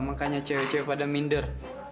makanya cewek cewek pada minder